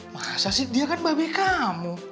masa sih dia kan babi kamu